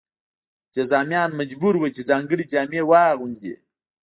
جذامیان مجبور وو چې ځانګړې جامې واغوندي.